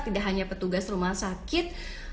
tidak hanya petugas rumah sakit